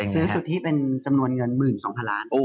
ซื้อสุทธิ์เป็นจำนวนเงิน๑๒๐๐๐๐๐๐บาท